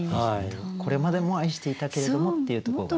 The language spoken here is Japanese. これまでも愛していたけれどもっていうところがね。